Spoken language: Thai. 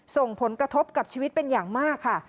ส่งผลกระทบกับชีวิตเป็นอย่างมากค่ะ